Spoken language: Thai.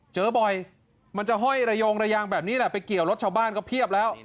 เจอบ่อยมันจะห้อยระยงระยางแบบนี้แหละไปเกี่ยวรถชาวบ้านก็เพียบแล้ว